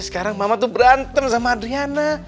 sekarang mama tuh berantem sama adriana